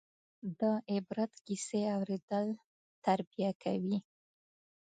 د عبرت کیسې اورېدل تربیه کوي.